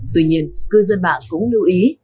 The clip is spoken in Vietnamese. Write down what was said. tuy nhiên cư dân bạn cũng lưu ý